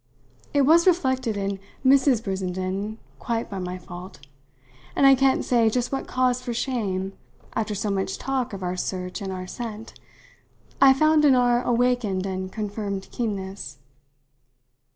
It was reflected in Mrs. Brissenden quite by my fault, and I can't say just what cause for shame, after so much talk of our search and our scent, I found in our awakened and confirmed keenness.